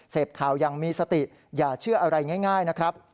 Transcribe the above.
เสพข่าวยังมีสติอย่าเชื่ออะไรง่ายนะครับ